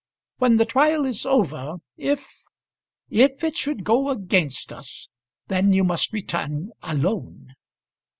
"When the trial is over, if if it should go against us, then you must return alone."